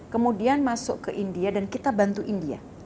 kemudian masuk ke india dan kita bantu india